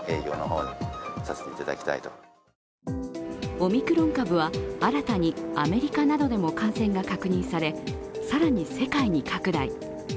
オミクロン株は新たにアメリカなどでも感染が確認され、更に世界に拡大。